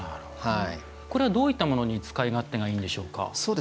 これはどういったものに使い勝手がいいんでしょうか？